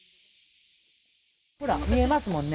ほら見えますもんね。